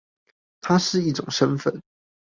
它是一種身分